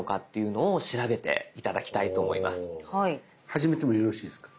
始めてもよろしいですか？